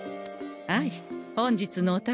あい本日のお宝